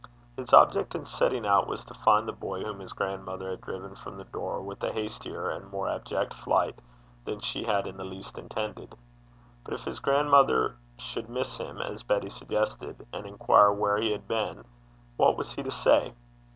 His object in setting out was to find the boy whom his grandmother had driven from the door with a hastier and more abject flight than she had in the least intended. But, if his grandmother should miss him, as Betty suggested, and inquire where he had been, what was he to say?